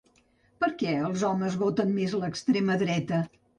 Per què els homes voten més l’extrema dreta?